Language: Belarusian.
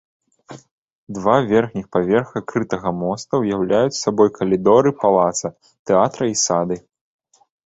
Два верхніх паверха крытага моста ўяўляюць сабой калідоры палаца тэатра і сады.